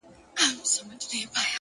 حقیقت د وخت په تېرېدو څرګندېږي.